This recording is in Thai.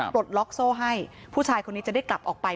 ปลดล็อกโซ่ให้ผู้ชายคนนี้จะได้กลับออกไป